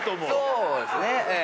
そうですねええ。